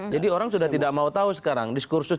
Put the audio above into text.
jadi orang sudah tidak mau tahu sekarang diskursus